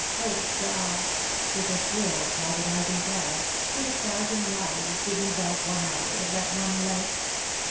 Oh, God!" with a shrill agonising cry, "could a thousand lives give me back one hour of that one life?